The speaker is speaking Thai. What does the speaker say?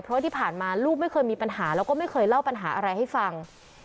เพราะที่ผ่านมาลูกไม่เคยมีปัญหาแล้วก็ไม่เคยเล่าปัญหาอะไรให้ฟัง